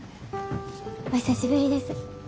お久しぶりです。